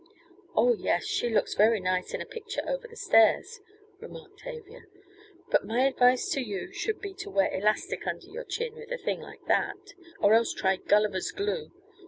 "Oh, yes, she looks very nice in a picture over the stairs," remarked Tavia, "but my advice to you would be to wear elastic under your chin with a thing like that or else try Gulliver's Glue.